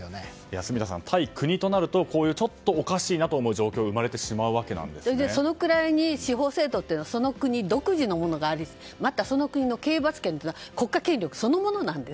住田さん、対国となるとおかしいなと思う状況がそのくらいに司法制度というのはその国独自のものがありまたその国の刑罰権は国家権力そのものなんです。